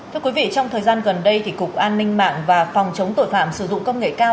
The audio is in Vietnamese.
thưa quý vị trong thời gian gần đây cục an ninh mạng và phòng chống tội phạm sử dụng công nghệ cao